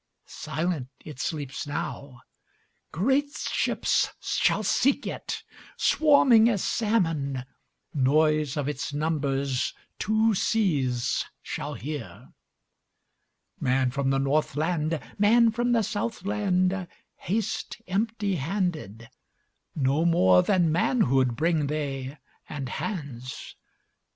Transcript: Silent it sleeps now; Great ships shall seek it, Swarming as salmon; Noise of its numbersTwo seas shall hear. Man from the Northland, Man from the Southland, Haste empty handed; No more than manhoodBring they, and hands.